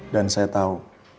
dan saya tahu